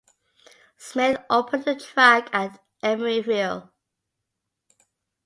Smith opened the track at Emeryville.